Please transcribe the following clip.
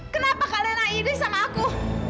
kenapa kak lena iris sama aku